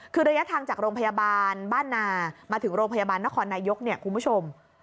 คือระยะทางจากโรงพยาบาลบ้านนามาถึงโรงพยาบาลนครนายกเนี่ยคุณผู้ชม